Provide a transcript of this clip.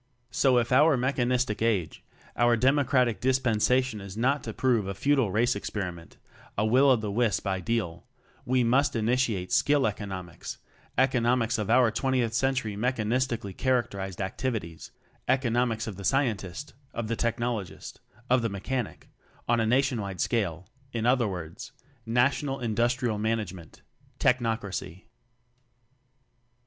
So if our Mechanistic Age, our Democratic Dispensation is not to prove a futile race experiment, a will o the wisp ideal, we must ini tiate Skill economics, economics of our Twentieth Century mechanis tically characterized activities eco nomics of the Scientist; of the Tech nologist, of the Mechanic, on a nationwide scale, in other words: National Industrial Management Technocracy.